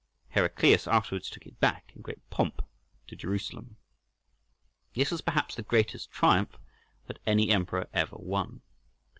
Heraclius afterwards took it back in great pomp to Jerusalem. This was, perhaps, the greatest triumph that any emperor ever won.